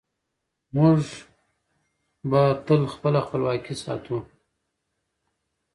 موږ به تل خپله خپلواکي ساتو.